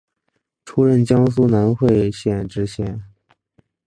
出任江苏南汇县知县。